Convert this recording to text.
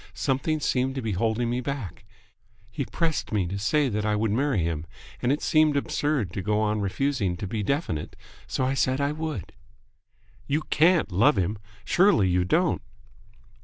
Something seemed to be holding me back. He pressed me to say that I would marry him, and it seemed absurd to go on refusing to be definite, so I said I would." "You can't love him? Surely you don't